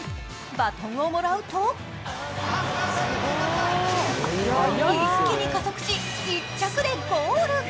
バトンをもらうと一気に加速し、１着でゴール。